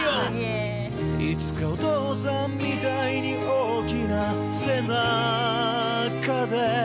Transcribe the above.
いつかお父さんみたいに大きな背中で